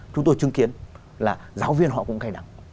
chúng tôi chứng kiến là giáo viên họ cũng cay đắng